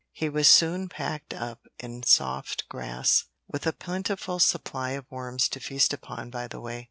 He was soon packed up in soft grass, with a plentiful supply of worms to feast upon by the way.